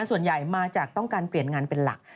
ส่วนใหญ่มาจากต้องการเปลี่ยนงานเป็นหลัก